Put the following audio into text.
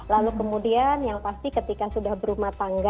lalu kemudian yang pasti ketika sudah berumah tangga